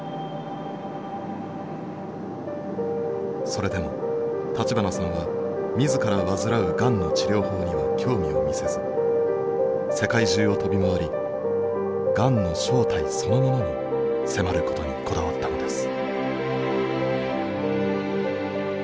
それでも立花さんは自ら患うがんの治療法には興味を見せず世界中を飛び回りがんの正体そのものに迫ることにこだわったのです。